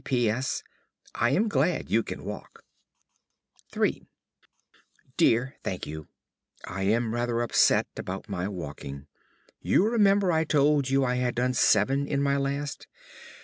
~ P. P. S. I am glad you can walk. III Dear Thankyou, I am rather upset about my walking. You remember I told you I had done seven in my last?